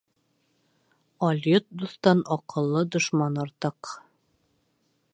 Алйот дуҫтан аҡыллы дошман артыҡ.